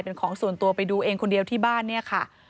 เป็นของส่วนตัวไปดูเองคนเดียวที่บ้านเนี่ยค่ะ